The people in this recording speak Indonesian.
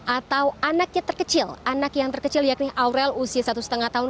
atau anaknya terkecil anak yang terkecil yakni aurel usia satu lima tahun